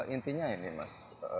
intinya ini mas